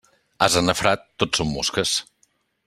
Ase nafrat, tot són mosques.